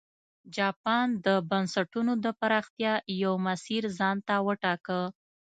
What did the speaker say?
جاپان د بنسټونو د پراختیا یو مسیر ځان ته وټاکه.